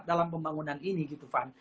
dalam pembangunan ini van